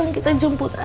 aku ingin berjumpa kamu